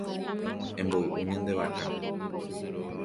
Emboy'u ñande vaka.